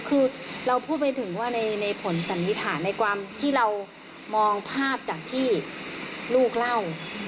คือเราพูดไปถึงว่าในผลสันนิษฐานในความที่เรามองภาพจากที่ลูกเล่า